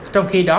trong khi đó